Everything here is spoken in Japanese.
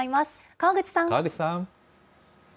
川口さん。